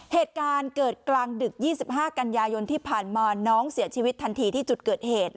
เหตุการณ์เกิดกลางดึก๒๕กันยายนที่ผ่านมาน้องเสียชีวิตทันทีที่จุดเกิดเหตุ